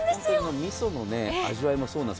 味噌の味わいもそうです。